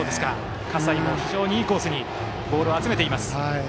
葛西も非常にいいコースにボールを集めています。